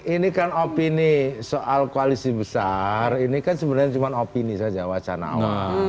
ini kan opini soal koalisi besar ini kan sebenarnya cuma opini saja wacana awal